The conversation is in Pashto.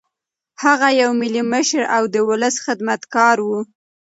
هغه یو ملي مشر او د ولس خدمتګار و.